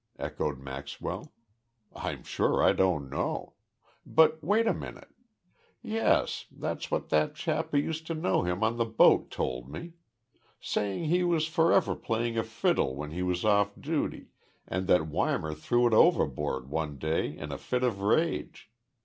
echoed Maxwell. "I'm sure I don't know.... But wait a minute! Yes, that's what that chap who used to know him on the boat told me. Saying he was forever playing a fiddle when he was off duty and that Weimar threw it overboard one day in a fit of rage.